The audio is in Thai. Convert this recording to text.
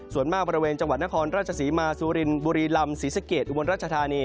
ส่วนมากบริเวณจังหวัดนครราชศรีมาสุรินบุรีลำศรีสะเกดอุบลรัชธานี